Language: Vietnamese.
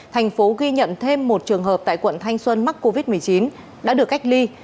thành phố ghi nhận thêm một trường hợp tại quận thanh xuân mắc covid một mươi chín đã được cách ly